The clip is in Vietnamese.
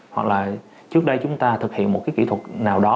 hoặc là trước đây chúng ta thực hiện một cái kỹ thuật nào đó